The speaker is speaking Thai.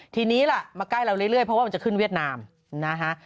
ทีนี้ล่ะมาใกล้เราเรื่อยเพราะว่ามันจะขึ้นเวียดนามนะฮะ